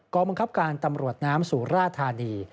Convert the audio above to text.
บังคับการตำรวจน้ำสุราธานี